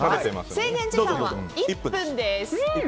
制限時間は１分です。